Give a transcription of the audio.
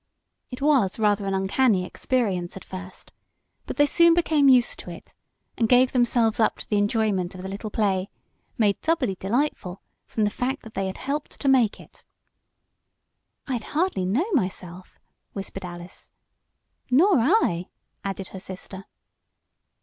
It was rather an uncanny experience at first, but they soon became used to it, and gave themselves up to the enjoyment of the little play, made doubly delightful from the fact that they had helped to make it. "I'd hardly know myself," whispered Alice. "Nor I," added her sister.